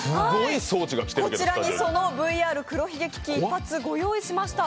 こちらにＶＲ黒ひげ危機一発、ご用意しました。